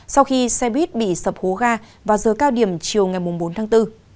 sau khi xe buýt bị sập hố ga vào giờ cao điểm chiều ngày bốn tháng bốn